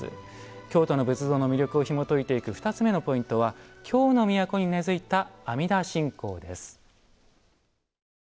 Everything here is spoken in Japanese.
京都の仏像の魅力をひもといていく２つ目のポイントは「京の都に根付いた阿弥陀信仰」です。